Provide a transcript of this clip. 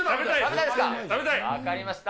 分かりました。